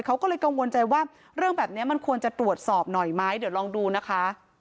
เขาก็เลยกังวลใจว่าเรื่องแบบนี้มันควรจะตรวจสอบหน่อยไหมเดี๋ยวลองดูนะคะ